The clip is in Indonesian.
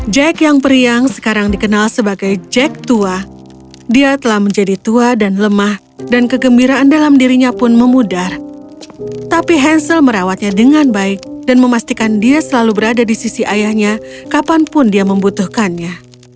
jack sangat mencintai putranya hansel karena dia adalah anak satu satunya